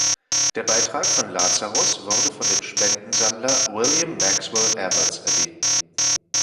Der Beitrag von Lazarus wurde von dem Spendensammler William Maxwell Evarts erbeten.